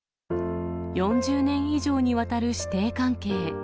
４０年以上にわたる師弟関係。